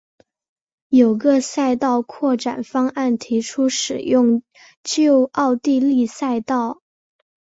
有个赛道扩展方案提出使用旧奥地利赛道。